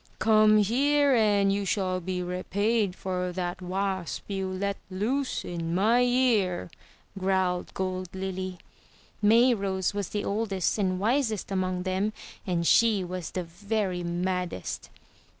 "Come here, and you shall be repaid for that wasp you let loose in my ear!" growled Gold Lily. 419 MY BOOK HOUSE Mayrose was the oldest and wisest among them, and she was the very maddest.